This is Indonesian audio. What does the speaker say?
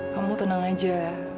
kamu tenang aja